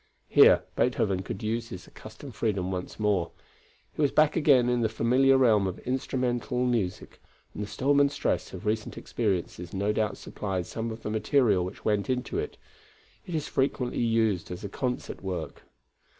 Here Beethoven could use his accustomed freedom once more. He was back again in the familiar realm of instrumental music, and the storm and stress of recent experiences no doubt supplied some of the material which went into it. It is frequently used as a concert work.